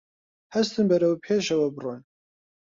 هەستن بەرەو پێشەوە بڕۆن